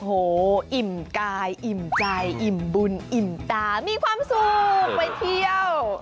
โหอิ่มกายอิ่มใจอิ่มบุญอิ่มตามีความสุขไปเที่ยว